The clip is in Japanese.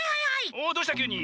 おどうしたきゅうに。